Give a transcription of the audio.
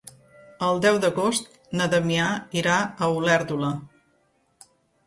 El deu d'agost na Damià irà a Olèrdola.